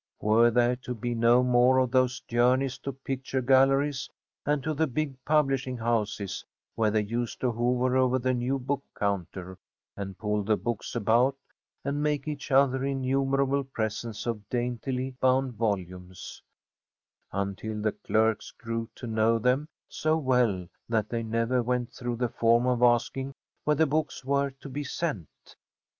” Were there to be no more of those journeys to picture galleries and to the big publishing houses, where they used to hover over the new book counter and pull the books about, and make each other innumerable presents of daintily bound volumes, until the clerks grew to know them so well that they never went through the form of asking where the books were to be sent?